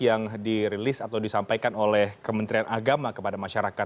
yang dirilis atau disampaikan oleh kementerian agama kepada masyarakat